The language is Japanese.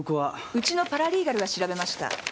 ウチのパラリーガルが調べました。